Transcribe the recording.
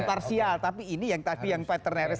parsial tapi ini yang pak terneris